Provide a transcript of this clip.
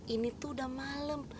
ini tuh udah malem